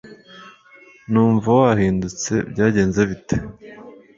numva wahindutse byagenze bite